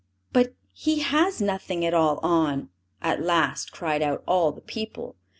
"But he has nothing at all on!" at last cried out all the people.